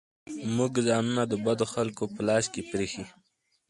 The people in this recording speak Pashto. موږ ځانونه د بدو خلکو په لاس کې پرېښي.